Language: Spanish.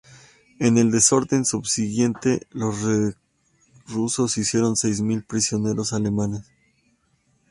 En el desorden subsiguiente, los rusos hicieron seis mil prisioneros alemanes.